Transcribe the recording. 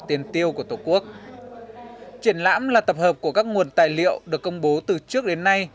tiền tiêu của tổ quốc triển lãm là tập hợp của các nguồn tài liệu được công bố từ trước đến nay